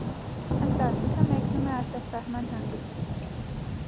Ընտանիքը մեկնում է արտասահման հանգստի։